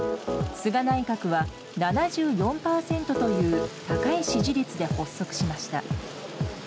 菅内閣は、７４％という高い支持率で発足しました。